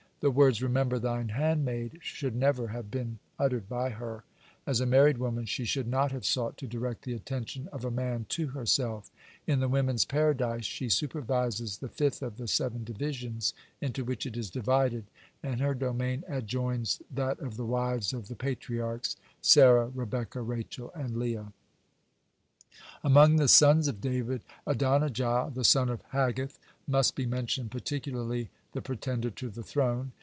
The words "remember thine handmaid" should never have been uttered by her. As a married woman, she should not have sought to direct the attention of a man to herself. (137) In the women's Paradise she supervises the fifth of the seven divisions into which it is divided, and her domain adjoins that of the wives of the Patriarchs, Sarah, Rebekah, Rachel, and Leah. (138) Among the sons of David, Adonijah, the son of Haggith, must be mentioned particularly, the pretender to the throne.